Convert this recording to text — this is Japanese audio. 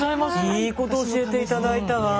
いいこと教えて頂いたわ。